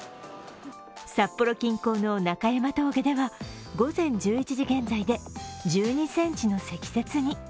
札幌近郊の中山峠では午前１１時現在で１２ｃｍの積雪に。